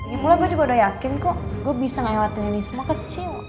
ibulah gue juga udah yakin kok gue bisa ngelewatin ini semua kecil